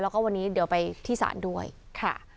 แล้วก็วันนี้เดี๋ยวไปที่ศาลด้วยค่ะ